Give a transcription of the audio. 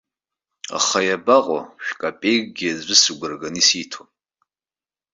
Аха иабаҟоу, шә-капеикгьы аӡәы сыгәра ганы исиҭом.